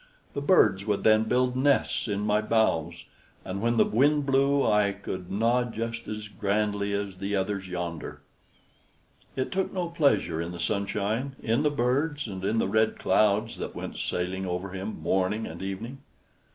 The birds would then build nests in my boughs, and when the wind blew I could nod just as grandly as the others yonder." It took no pleasure in the sunshine, in the birds, and in the red clouds that went sailing over him morning and evening.